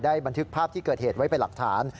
บันทึกภาพที่เกิดเหตุไว้เป็นหลักฐาน